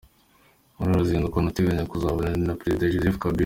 Muri uru ruzinduko ntateganya kuzabonana na Perezida Joseph Kabila.